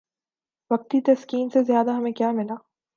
وقتی تسکین سے زیادہ ہمیں کیا ملا؟